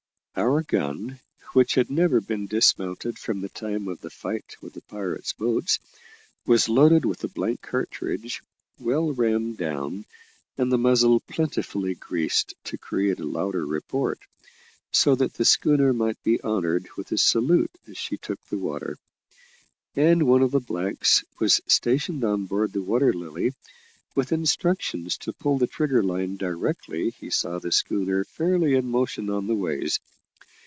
Our gun, which had never been dismounted from the time of the fight with the pirate's boats, was loaded with a blank cartridge, well rammed down, and the muzzle plentifully greased to create a louder report, so that the schooner might be honoured with a salute as she took the water; and one of the blacks was stationed on board the Water Lily, with instructions to pull the trigger line directly he saw the schooner fairly in motion on the ways.